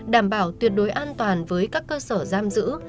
đảm bảo tuyệt đối an toàn với các cơ sở giam giữ